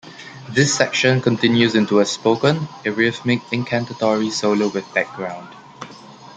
This section continues into a spoken, arrhythmic incantatory solo with background.